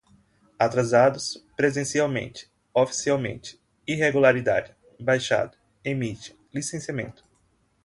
atrasados, presencialmente, oficialmente, irregularidade, baixado, emite, licenciamento